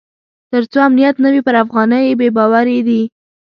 تر څو امنیت نه وي پر افغانۍ بې باوري وي.